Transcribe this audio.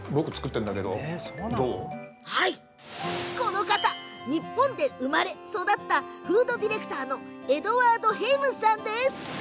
この方、日本で生まれ育ったフードディレクターエドワード・ヘイムスさんです。